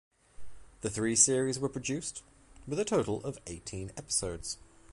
Three series were produced, with a total of eighteen episodes.